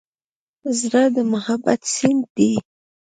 زړه د محبت سیند دی.